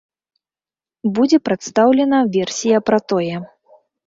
Будзе прадстаўлена версія пра тое.